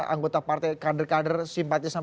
anggota partai kader kader simpatisan